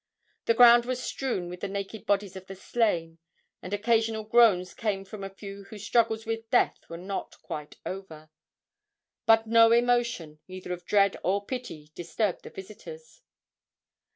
The ground was strewn with the naked bodies of the slain, and occasional groans came from a few whose struggles with death were not quite over. But no emotion, either of dread or pity, disturbed the visitors.